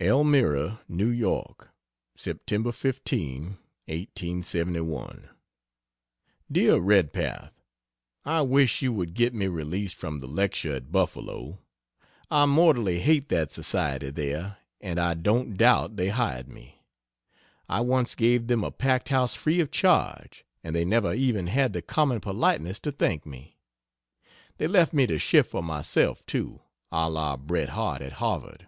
ELMIRA, N. Y. Sept. 15, 1871. DEAR REDPATH, I wish you would get me released from the lecture at Buffalo. I mortally hate that society there, and I don't doubt they hired me. I once gave them a packed house free of charge, and they never even had the common politeness to thank me. They left me to shift for myself, too, a la Bret Harte at Harvard.